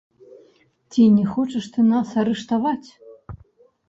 Ці не хочаш ты нас арыштаваць?